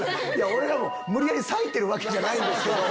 俺らも無理やり裂いてるわけじゃないんですよ。